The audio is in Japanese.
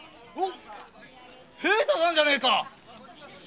平太さんじゃねえか？